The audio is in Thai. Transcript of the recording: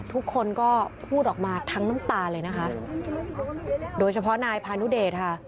ทุกคนก็พูดออกมาทั้งน้ำตาเลยนะคะโดยเฉพาะนายพานุเดชค่ะ